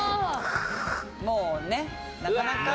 もうね、なかなか。